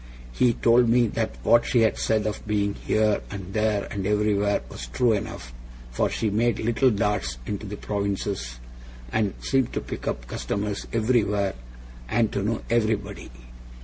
He told me that what she had said of being here, and there, and everywhere, was true enough; for she made little darts into the provinces, and seemed to pick up customers everywhere, and to know everybody.